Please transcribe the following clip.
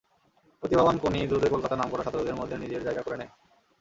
প্রতিভাবান কোনি দ্রুতই কলকাতার নামকরা সাঁতারুদের মধ্যে নিজের জায়গা করে নেয়।